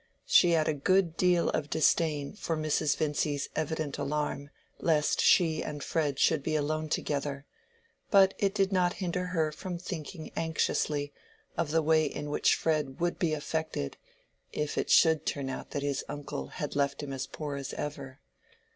She had a good deal of disdain for Mrs. Vincy's evident alarm lest she and Fred should be alone together, but it did not hinder her from thinking anxiously of the way in which Fred would be affected, if it should turn out that his uncle had left him as poor as ever.